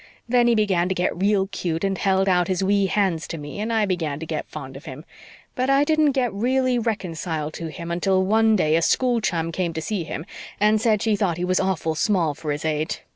Then he began to get real cute, and held out his wee hands to me and I began to get fond of him. But I didn't get really reconciled to him until one day a school chum came to see him and said she thought he was awful small for his age.